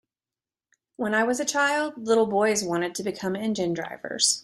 When I was a child, little boys wanted to become engine drivers.